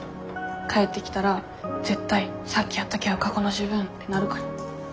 帰ってきたら絶対さっきやっとけよ過去の自分ってなるから。